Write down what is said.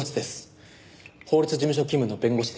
法律事務所勤務の弁護士です。